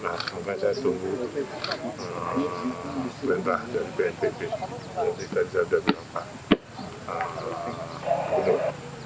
nah mungkin saya tunggu perintah dari bnpb mungkin kita bisa dapat